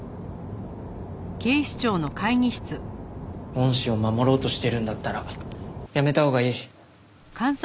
恩師を守ろうとしてるんだったらやめたほうがいい。